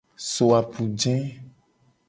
So apuje.